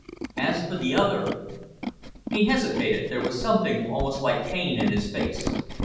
As for the other " He hesitated. There was something almost like pain in his face.